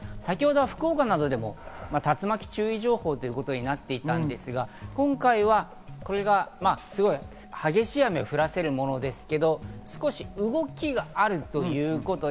先程は福岡などでも竜巻注意情報ということになっていたんですが、今回はこれが強い激しい雨を降らせるものですけど少し動きがあるということで。